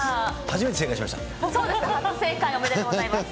初正解、おめでとうございます。